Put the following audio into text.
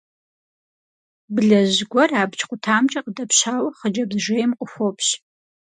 Блэжь гуэр абдж къутамкӀэ къыдэпщауэ хъыджэбз жейм къыхуопщ.